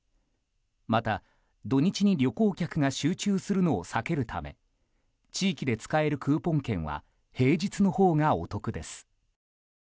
まだ、土日に旅行客が集中するのを避けるため地域で使えるクーポン券は平日のほうがお得です。